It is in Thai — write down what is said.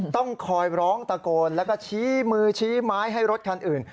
ต้องคอยร้องตะโกนแล้วก็ชี้มือชี้ไม้ให้รถคันอื่น